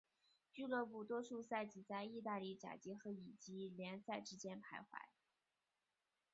俱乐部多数赛季在意大利甲级和乙级联赛之间徘徊。